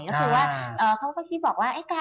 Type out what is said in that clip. ก็คือว่าเขาก็คิดบอกว่า